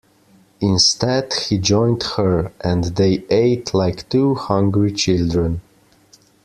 Instead, he joined her; and they ate like two hungry children.